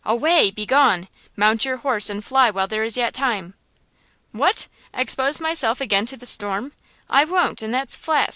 Away! Begone! Mount your horse and fly while there is yet time!" "What! expose myself again to the storm? I won't, and that's flat!"